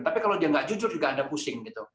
tapi kalau dia enggak jujur juga anda pusing